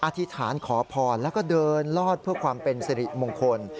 อธิษฐานขอพรแล้วก็เดินลอดเพื่อความเป็นสิริมงคล